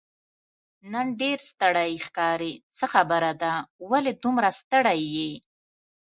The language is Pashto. نن ډېر ستړی ښکارې، څه خبره ده، ولې دومره ستړی یې؟